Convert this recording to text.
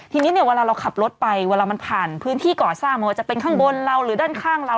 ทีนี้เนี่ยเวลาเราขับรถไปเวลามันผ่านพื้นที่ก่อสร้างไม่ว่าจะเป็นข้างบนเราหรือด้านข้างเรา